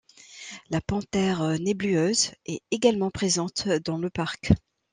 La Panthère nébuleuse est également présente dans le parc.